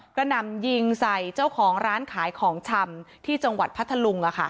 หนำยิงใส่เจ้าของร้านขายของชำที่จังหวัดพัทธลุง